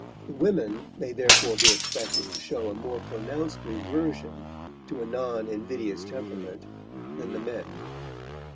The women may therefore be expected to show a more pronounced reversion to a non invidious temperament than the men.